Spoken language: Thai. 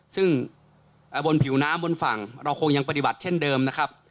ซึ่งบนผิวน้ำบนฝั่งเราคงยังปฏิบัติเช่นเดิมนะครับ